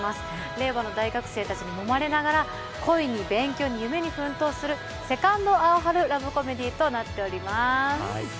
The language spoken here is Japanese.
令和の大学生たちにもまれながら恋に夢に奮闘するセカンド・アオハル・ラブコメディーとなっています。